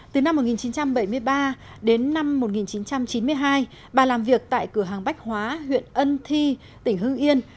từ năm một nghìn chín trăm bảy mươi ba đến năm một nghìn chín trăm chín mươi hai bà làm việc tại cửa hàng bách hóa huyện ân thi tỉnh hưng yên